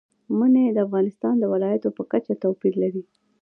منی د افغانستان د ولایاتو په کچه توپیر لري.